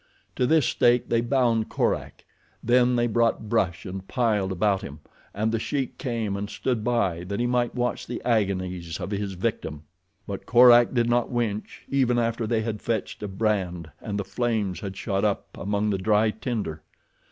To this stake they bound Korak. Then they brought brush and piled about him, and The Sheik came and stood by that he might watch the agonies of his victim. But Korak did not wince even after they had fetched a brand and the flames had shot up among the dry tinder.